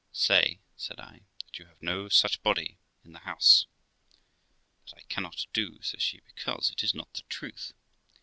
' Say ', said I, ' that you have no such body in the house.' ' That I cannot do', says she; 'because it is not the truth.